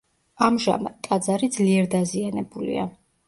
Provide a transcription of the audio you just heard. ამჟამად, ტაძარი ძლიერ დაზიანებულია.